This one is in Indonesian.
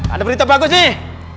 ada berita bagus nih